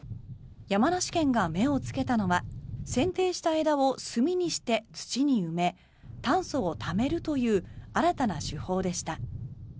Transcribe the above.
山梨県が目をつけたのはせん定した枝を炭にして土に埋め炭素をためるという新たな手法でした。